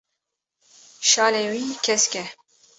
şalê wî kesk e.